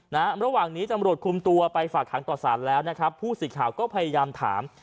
ระหว่างนี้ตำรวจคุมตัวไปฝากหางต่อสารแล้วนะครับผู้สื่อข่าวก็พยายามถาม